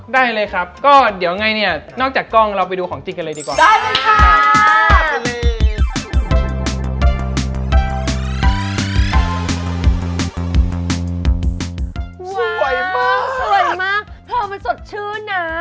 ได้เลยครับก็เดี๋ยวไงเนี่ยนอกจากกล้องเราไปดูของจริงกันเลยดีกว่าได้เลยค่ะ